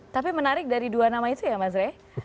tapi menarik dari dua nama itu ya mas rey